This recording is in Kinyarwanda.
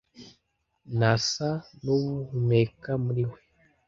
nasa n'uwuhumeka muri we